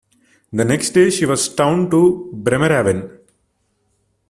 The next day, she was towed to Bremerhaven.